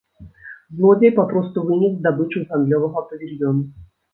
Злодзей папросту вынес здабычу з гандлёвага павільёну.